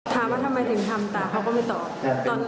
ถามว่าทำไมถึงทำตาเขาก็ไม่ตอบ